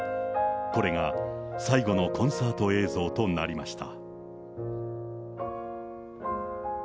これが最後のコンサート映像となりました。